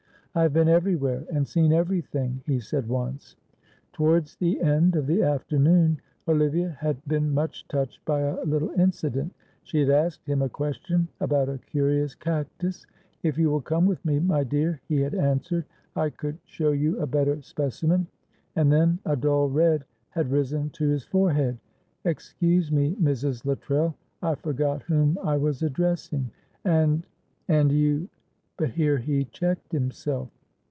"I have been everywhere and seen everything," he said once. Towards the end of the afternoon Olivia had been much touched by a little incident; she had asked him a question about a curious cactus. "If you will come with me, my dear," he had answered, "I could show you a better specimen" and then a dull red had risen to his forehead. "Excuse me, Mrs. Luttrell. I forgot whom I was addressing and and you " but here he checked himself.